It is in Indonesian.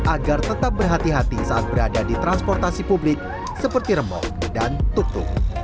agar tetap berhati hati saat berada di transportasi publik seperti remuk dan tuk tuk